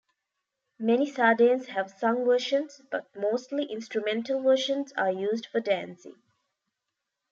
Many sardanes have sung versions, but mostly instrumental versions are used for dancing.